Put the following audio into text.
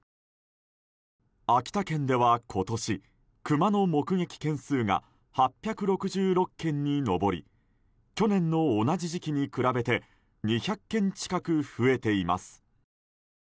秋田県では、今年クマの目撃件数が８６６件に上り去年の同じ時期に比べて２００件近く増えています。